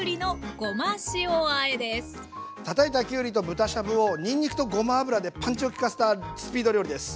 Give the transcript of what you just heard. たたいたきゅうりと豚しゃぶをにんにくとごま油でパンチを効かせたスピード料理です。